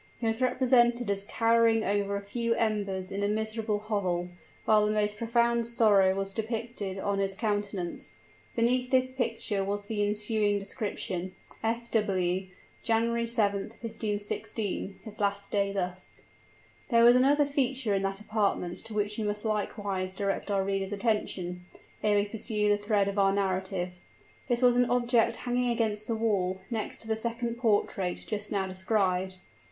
He was represented as cowering over a few embers in a miserable hovel, while the most profound sorrow was depicted on his countenance. Beneath this picture was the ensuing inscription: "F. W., January 7th, 1516. His last day thus." There was another feature in that apartment to which we must likewise direct our reader's attention, ere we pursue the thread of our narrative. This was an object hanging against the wall, next to the second portrait just now described.